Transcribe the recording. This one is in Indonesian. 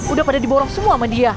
udah pada diborong semua sama dia